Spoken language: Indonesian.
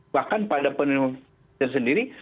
bahkan pada penelitian sendiri